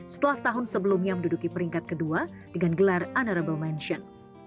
setelah tahun sebelumnya menduduki peringkat kedua dengan gelar unerable mention